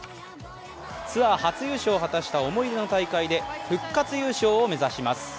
ツアー初優勝を果たした思い出の大会で復活優勝を目指します。